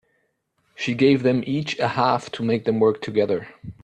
She gave them each a half to make them work together.